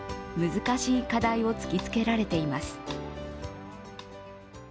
難しい課題を突きつけられています。